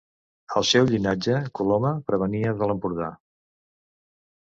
El seu llinatge Coloma provenia de l'Empordà.